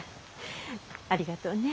ありがとうね。